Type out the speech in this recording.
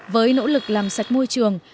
với nỗ lực làm sạch môi trường